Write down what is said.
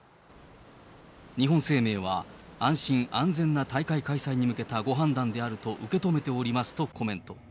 日本生命は、安心安全な大会開催に向けたご判断であると受け止めておりますとコメント。